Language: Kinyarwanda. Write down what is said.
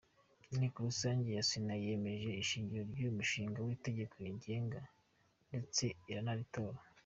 Inteko rusange ya Sena yemeje ishingiro ry’uyu mushinga w’itegeko ngenga ndetse iranaritora.